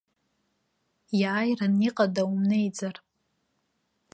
Иааиран иҟада умнеиӡар?